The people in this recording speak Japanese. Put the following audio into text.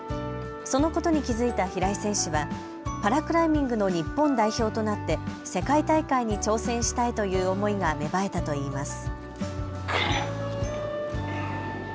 そのことに気付いた平井選手はパラクライミングの日本代表となって世界大会に挑戦したいという思いが芽生えたといいます。